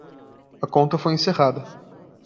A conta foi encerrada.